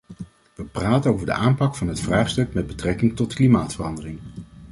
We praten over de aanpak van het vraagstuk met betrekking tot klimaatverandering.